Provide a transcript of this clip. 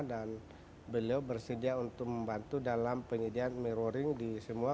dan beliau bersedia untuk membantu dalam penyediaan mirroring di semua